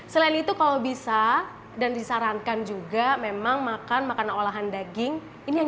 selain itu kalau bisa dan disarankan juga memang makan makanan olahan daging ini yang